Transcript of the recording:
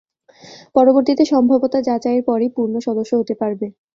পরবর্তীতে সম্ভাব্যতা যাচাইয়ের পরই পূর্ণ সদস্য হতে পারবে।